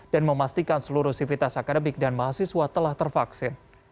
dan memastikan seluruh sivitas akademik dan mahasiswa telah tervaksin